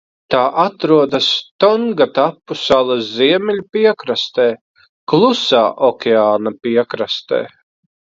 Tā atrodas Tongatapu salas ziemeļu piekrastē, Klusā okeāna piekrastē.